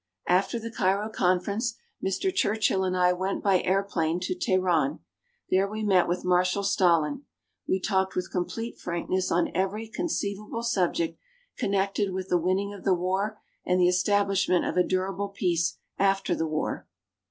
After the Cairo conference, Mr. Churchill and I went by airplane to Teheran. There we met with Marshal Stalin. We talked with complete frankness on every conceivable subject connected with the winning of the war and the establishment of a durable peace after the war.